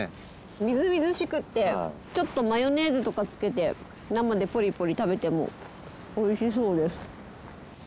みずみずしくってちょっとマヨネーズとかつけて生でポリポリ食べてもおいしそうです。